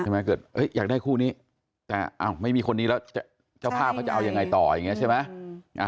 เกิดอยากได้คู่นี้แต่ไม่มีคนนี้แล้วเจ้าภาพเขาจะเอายังไงต่ออย่างนี้ใช่ไหม